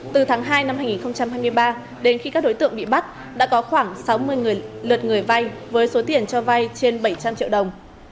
từ tháng hai năm hai nghìn hai mươi ba đến khi các đối tượng bị bắt đã có khoảng sáu mươi lượt người vay với số tiền cho vay trên bảy trăm linh triệu đồng